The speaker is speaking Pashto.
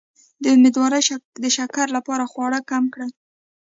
د امیدوارۍ د شکر لپاره خواږه کم کړئ